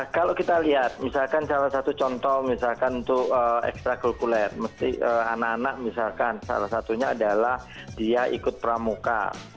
kalau kita lihat misalkan salah satu contoh misalkan untuk ekstrakuler anak anak misalkan salah satunya adalah dia ikut pramuka